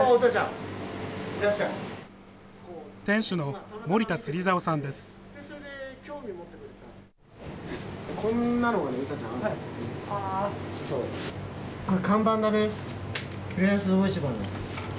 店主の森田釣竿さんです。